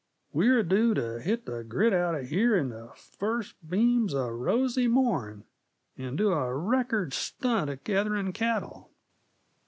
We're due t' hit the grit out uh here in the first beams uh rosy morn, and do a record stunt at gathering cattle."